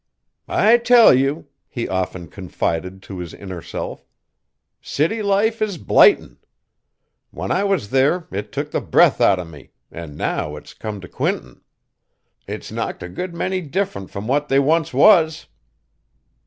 "I tell you!" he often confided to his inner self, "city life is blightin'! When I was there, it took the breath out o' me, an' now it's come t' Quinton, it's knocked a good many different from what they once was!"